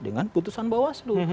dengan putusan bawaslu